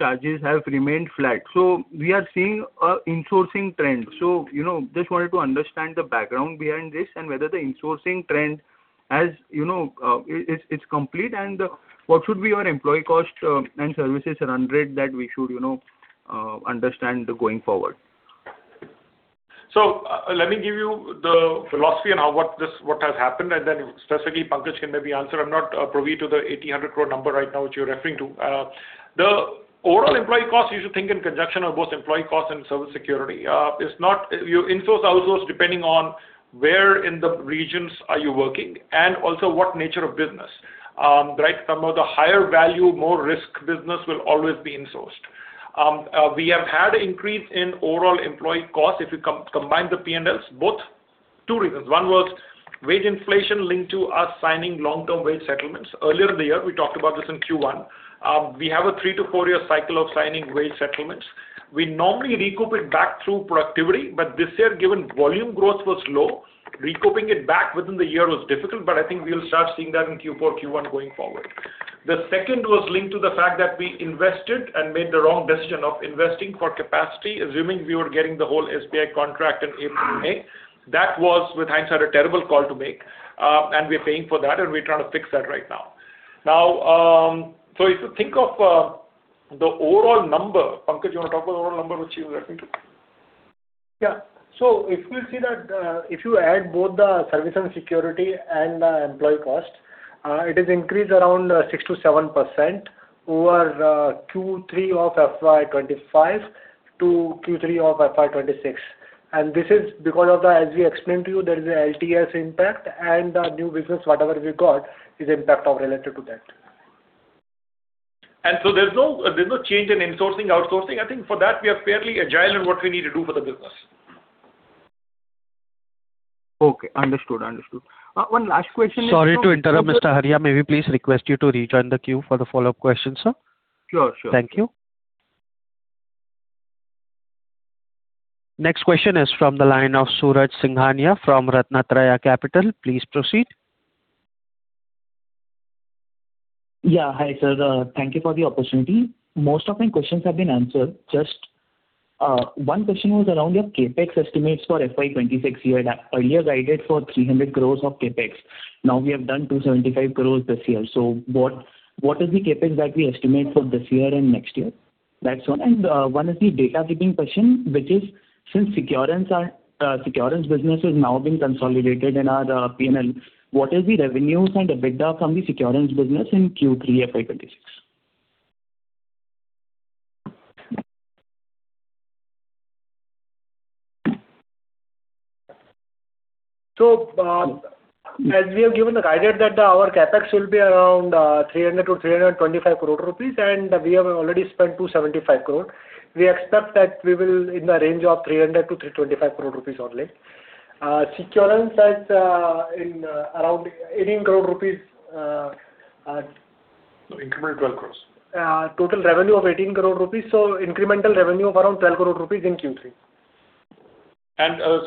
K: charges have remained flat. So we are seeing an insourcing trend. So, you know, just wanted to understand the background behind this and whether the insourcing trend, as you know, it's complete, and what should be your employee cost and services run rate that we should, you know, understand going forward?
C: So let me give you the philosophy on how what this, what has happened, and then specifically, Pankaj can maybe answer. I'm not privy to the 80 crore-100 crore number right now, which you're referring to. Overall employee costs, you should think in conjunction of both employee costs and social security. It's not you insource, outsource, depending on where in the regions are you working, and also what nature of business. Right, some of the higher value, more risk business will always be insourced. We have had an increase in overall employee costs if you combine the P&Ls, both two reasons. One was wage inflation linked to us signing long-term wage settlements. Earlier in the year, we talked about this in Q1. We have a 3- to 4-year cycle of signing wage settlements. We normally recoup it back through productivity, but this year, given volume growth was low, recouping it back within the year was difficult, but I think we will start seeing that in Q4, Q1 going forward. The second was linked to the fact that we invested and made the wrong decision of investing for capacity, assuming we were getting the whole SBI contract in ATM. That was, with hindsight, a terrible call to make, and we are paying for that, and we're trying to fix that right now. Now, so if you think of, the overall number, Pankaj, you want to talk about the overall number, which you referred to?
E: Yeah. So if you see that, if you add both the service and security and the employee cost, it is increased around 6%-7% over Q3 of FY 25 to Q3 of FY 26. And this is because of the, as we explained to you, there is a LTS impact, and the new business, whatever we got, is impact of relative to that.
D: And so there's no, there's no change in insourcing, outsourcing. I think for that, we are fairly agile in what we need to do for the business.
K: Okay. Understood. Understood. One last question-
A: Sorry to interrupt, Mr. Haria. May we please request you to rejoin the queue for the follow-up question, sir?
K: Sure, sure.
A: Thank you. Next question is from the line of Suraj Singhania from RatnaTraya Capital. Please proceed.
L: Yeah. Hi, sir. Thank you for the opportunity. Most of my questions have been answered. Just one question was around your CapEx estimates for FY 2026. You had earlier guided for 300 crore of CapEx. Now we have done 275 crore this year. So what is the CapEx that we estimate for this year and next year? That's one. And one is the housekeeping question, which is since Securens, our Securens business is now being consolidated in our P&L, what is the revenues and EBITDA from the Securens business in Q3 FY 2026?
E: So, as we have given the guidance that our CapEx will be around 300 crore-325 crore rupees, and we have already spent 275 crore. We expect that we will in the range of 300 crore-325 crore rupees only. Securens is in around 18 crore rupees.
D: Incremental 12 crore.
L: total revenue of 18 crore rupees, so incremental revenue of around 12 crore rupees in Q3.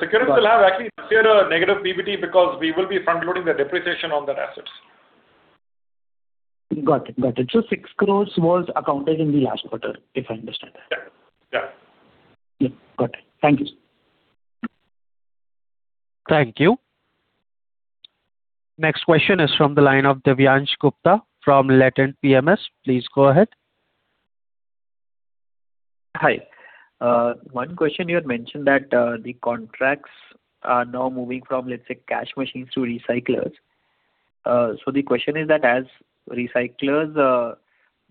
D: Securens will have actually a negative PBT because we will be front-loading the depreciation on their assets.
L: Got it. Got it. So 6 crore was accounted in the last quarter, if I understand that?
D: Yeah. Yeah.
L: Yeah. Got it. Thank you, sir.
A: Thank you. Next question is from the line of Divyansh Gupta from Latent PMS. Please go ahead.
M: Hi. One question, you had mentioned that, the contracts are now moving from, let's say, cash machines to recyclers. So the question is that as recyclers,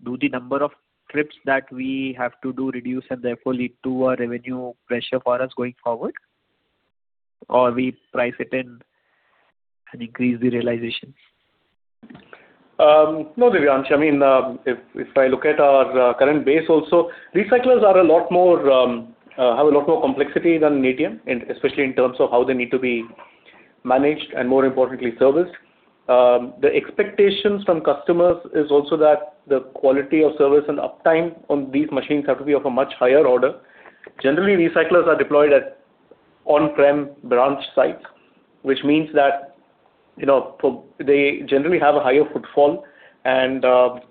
M: do the number of trips that we have to do reduce and therefore lead to a revenue pressure for us going forward? Or we price it in and increase the realization.
D: No, Divyansh, I mean, if, if I look at our current base also, recyclers are a lot more have a lot more complexity than an ATM, and especially in terms of how they need to be managed and more importantly, serviced. The expectations from customers is also that the quality of service and uptime on these machines have to be of a much higher order. Generally, recyclers are deployed at on-prem branch sites, which means that, you know, they generally have a higher footfall and,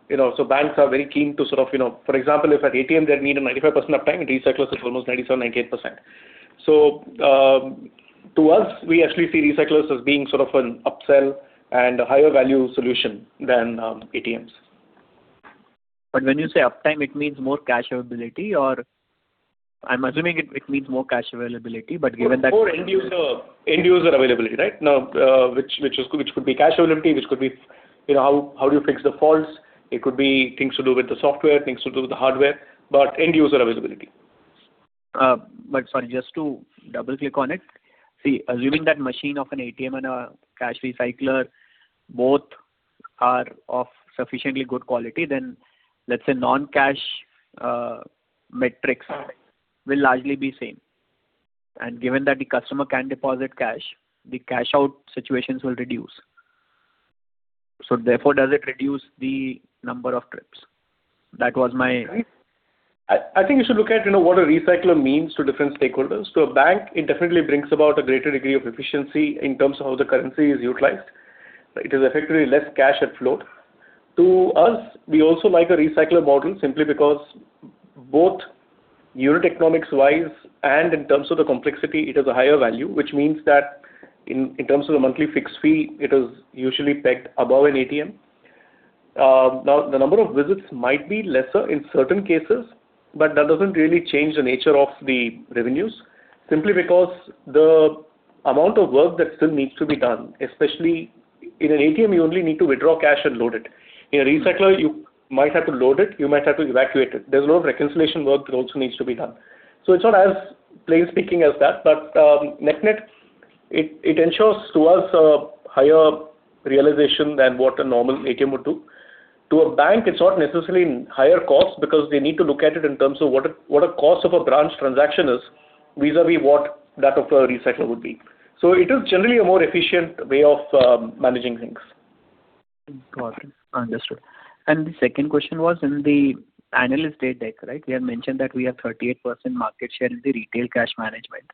D: you know, so banks are very keen to sort of, you know. For example, if at ATM, they need a 95% uptime, recyclers is almost 97%-98%. So, to us, we actually see recyclers as being sort of an upsell and a higher value solution than ATMs.
M: But when you say uptime, it means more cash availability, or I'm assuming it, it means more cash availability, but given that-
D: More end user, end user availability, right? Now, which, which is, which could be cash availability, which could be, you know, how, how do you fix the faults? It could be things to do with the software, things to do with the hardware, but end user availability.
M: But sorry, just to double-click on it. See, assuming that machine of an ATM and a cash recycler both are of sufficiently good quality, then let's say non-cash metrics will largely be same. And given that the customer can deposit cash, the cash-out situations will reduce. So therefore, does it reduce the number of trips? That was my-
D: Right. I think you should look at, you know, what a recycler means to different stakeholders. To a bank, it definitely brings about a greater degree of efficiency in terms of how the currency is utilized. It is effectively less cash at float. To us, we also like a recycler model simply because both unit economics wise and in terms of the complexity, it is a higher value, which means that in terms of the monthly fixed fee, it is usually pegged above an ATM. Now, the number of visits might be lesser in certain cases, but that doesn't really change the nature of the revenues, simply because the amount of work that still needs to be done, especially in an ATM, you only need to withdraw cash and load it. In a recycler, you might have to load it, you might have to evacuate it. There's a lot of reconciliation work that also needs to be done. So it's not as plain speaking as that, but, net-net, it ensures to us a higher realization than what a normal ATM would do. To a bank, it's not necessarily higher cost because they need to look at it in terms of what a cost of a branch transaction is, vis-à-vis what that of a recycler would be. So it is generally a more efficient way of, managing things.
M: Got it. Understood. The second question was, in the analyst day deck, right, we had mentioned that we have 38% market share in the retail cash management.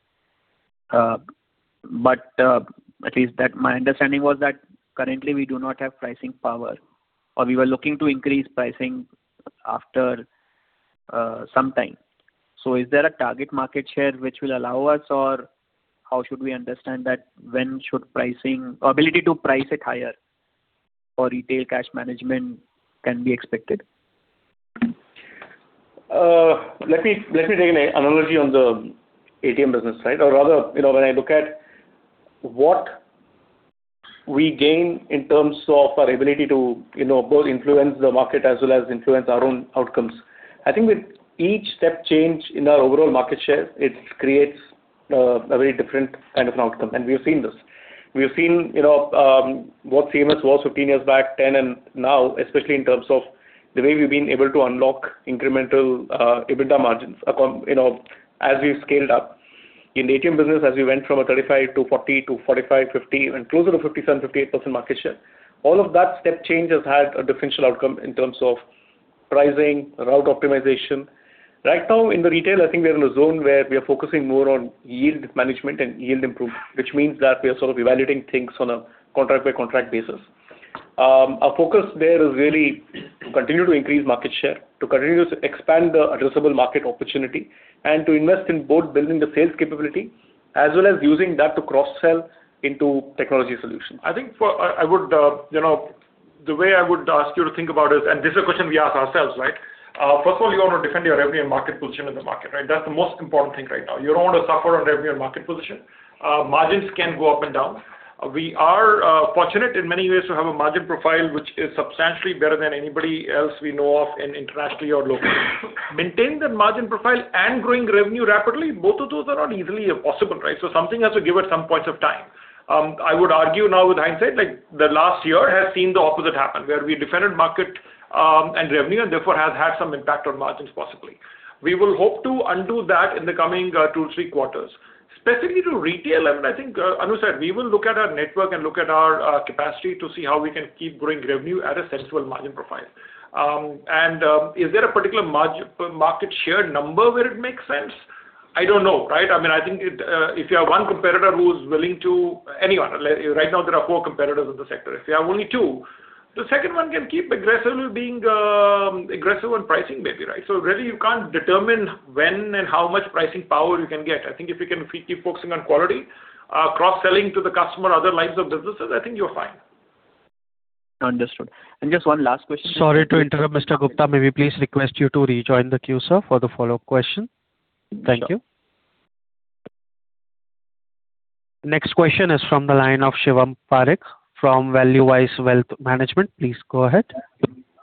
M: But, at least that my understanding was that currently we do not have pricing power, or we were looking to increase pricing after, some time. So is there a target market share which will allow us, or how should we understand that when should pricing or ability to price it higher for retail cash management can be expected?
D: Let me, let me take an analogy on the ATM business, right? Or rather, you know, when I look at what we gain in terms of our ability to, you know, both influence the market as well as influence our own outcomes. I think with each step change in our overall market share, it creates a very different kind of an outcome, and we have seen this. We have seen, you know, what CMS was 15 years back, 10, and now, especially in terms of the way we've been able to unlock incremental, EBITDA margins, accrued. You know, as we've scaled up. In the ATM business, as we went from a 35 to 40 to 45, 50, and closer to 57, 58% market share, all of that step change has had a differential outcome in terms of pricing, route optimization. Right now, in the retail, I think we are in a zone where we are focusing more on yield management and yield improvement, which means that we are sort of evaluating things on a contract-by-contract basis. Our focus there is really to continue to increase market share, to continue to expand the addressable market opportunity, and to invest in both building the sales capability as well as using that to cross-sell into technology solutions.
C: I think, you know, the way I would ask you to think about it, and this is a question we ask ourselves, right? First of all, you want to defend your revenue and market position in the market, right? That's the most important thing right now. You don't want to suffer on revenue and market position. Margins can go up and down. We are fortunate in many ways to have a margin profile which is substantially better than anybody else we know of internationally or locally. Maintain that margin profile and growing revenue rapidly, both of those are not easily possible, right? So something has to give at some points of time. I would argue now with hindsight, like, the last year has seen the opposite happen, where we defended market and revenue, and therefore, has had some impact on margins, possibly. We will hope to undo that in the coming two, three quarters. Specifically to retail, I mean, I think, Anu said, we will look at our network and look at our capacity to see how we can keep growing revenue at a sensible margin profile. And, is there a particular market share number where it makes sense? I don't know, right? I mean, I think it, if you have one competitor who is willing to—anyone, right now, there are four competitors in the sector. If you have only two, the second one can keep aggressively being aggressive on pricing, maybe, right? So really, you can't determine when and how much pricing power you can get. I think if you can keep focusing on quality, cross-selling to the customer, other lines of businesses, I think you're fine.
M: Understood. And just one last question-
A: Sorry to interrupt, Mr. Gupta. May we please request you to rejoin the queue, sir, for the follow-up question? Thank you. Next question is from the line of Shivam Parekh from ValueWise Wealth Management. Please go ahead.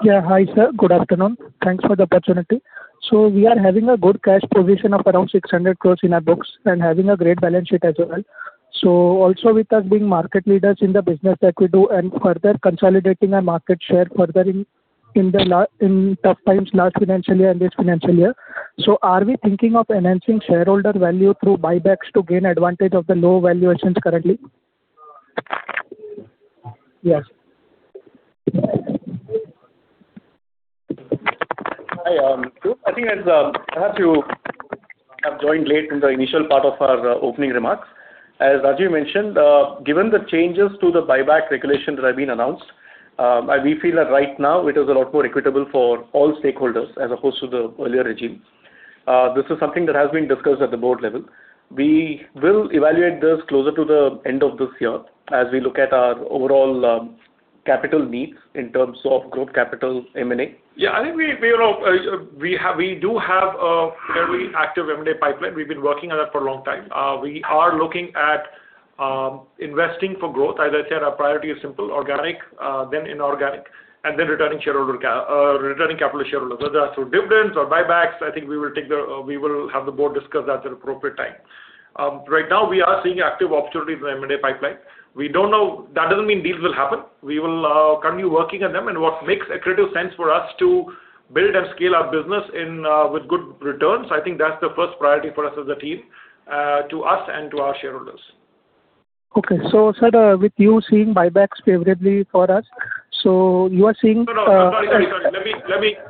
N: Yeah. Hi, sir. Good afternoon. Thanks for the opportunity. So we are having a good cash position of around 600 crore in our books and having a great balance sheet as well. So also with us being market leaders in the business that we do and further consolidating our market share further in tough times, last financial year and this financial year. So are we thinking of enhancing shareholder value through buybacks to gain advantage of the low valuations currently? Yes.
D: Hi, I think as, perhaps you have joined late in the initial part of our opening remarks. As Rajiv mentioned, given the changes to the buyback regulations that have been announced, we feel that right now it is a lot more equitable for all stakeholders as opposed to the earlier regime. This is something that has been discussed at the board level. We will evaluate this closer to the end of this year as we look at our overall capital needs in terms of growth capital, M&A.
C: Yeah, I think we you know we do have a very active M&A pipeline. We've been working on that for a long time. We are looking at investing for growth. As I said, our priority is simple, organic then inorganic, and then returning capital to shareholders, whether that's through dividends or buybacks. I think we will have the board discuss that at an appropriate time. Right now, we are seeing active opportunities in the M&A pipeline. We don't know. That doesn't mean deals will happen. We will continue working on them and what makes accretive sense for us to build and scale our business in with good returns. I think that's the first priority for us as a team to us and to our shareholders.
N: Okay. So, sir, with you seeing buybacks favorably for us, so you are seeing,
C: No, no. Sorry, sorry, sorry. Let me,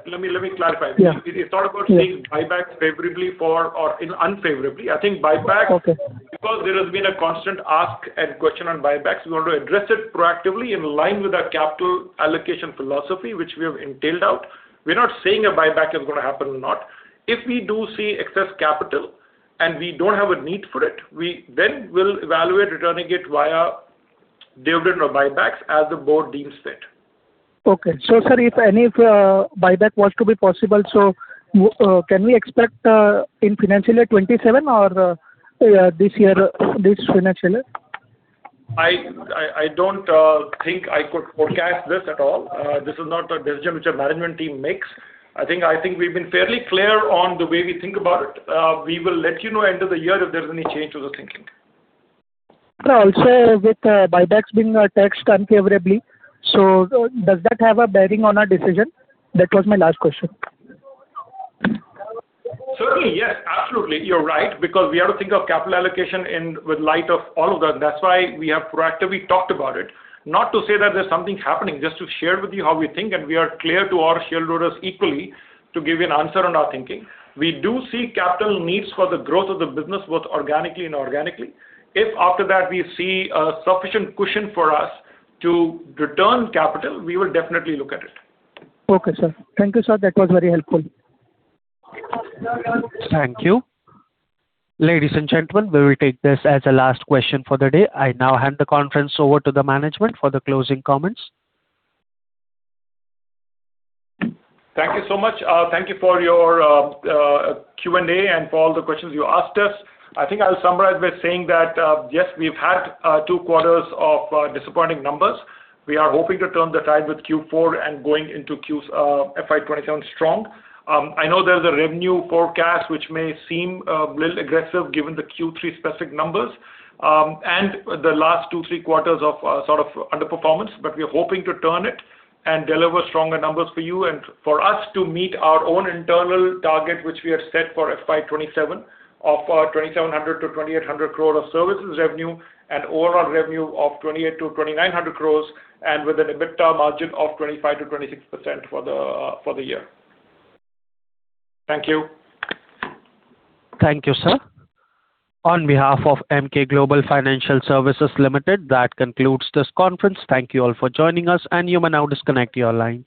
C: let me, let me clarify.
N: Yeah.
C: It's not about seeing buybacks favorably for or unfavorably. I think buyback-
N: Okay.
C: Because there has been a constant ask and question on buybacks, we want to address it proactively in line with our capital allocation philosophy, which we have laid out. We're not saying a buyback is going to happen or not. If we do see excess capital and we don't have a need for it, we then will evaluate returning it via dividend or buybacks as the board deems fit.
N: Okay. So sir, if any, buyback was to be possible, so, can we expect, in financial year 2027 or, this year, this financial year?
C: I don't think I could forecast this at all. This is not a decision which our management team makes. I think we've been fairly clear on the way we think about it. We will let you know end of the year if there's any change to the thinking.
N: Sir, also with buybacks being taxed unfavorably, so does that have a bearing on our decision? That was my last question.
C: Certainly, yes, absolutely. You're right, because we have to think of capital allocation in light of all of that. That's why we have proactively talked about it. Not to say that there's something happening, just to share with you how we think, and we are clear to our shareholders equally, to give you an answer on our thinking. We do see capital needs for the growth of the business, both organically and inorganically. If after that, we see a sufficient cushion for us to return capital, we will definitely look at it.
N: Okay, sir. Thank you, sir. That was very helpful.
A: Thank you. Ladies and gentlemen, we will take this as the last question for the day. I now hand the conference over to the management for the closing comments.
C: Thank you so much. Thank you for your Q&A and for all the questions you asked us. I think I'll summarize by saying that, yes, we've had two quarters of disappointing numbers. We are hoping to turn the tide with Q4 and going into Q, FY 2027 strong. I know there's a revenue forecast which may seem little aggressive, given the Q3 specific numbers, and the last two, three quarters of sort of underperformance, but we are hoping to turn it and deliver stronger numbers for you and for us to meet our own internal target, which we have set for FY 2027 of 2,700 crore-2,800 crore of services revenue and overall revenue of 2,800 crore-2,900 crore, and with an EBITDA margin of 25%-26% for the year. Thank you.
A: Thank you, sir. On behalf of Emkay Global Financial Services Limited, that concludes this conference. Thank you all for joining us, and you may now disconnect your line.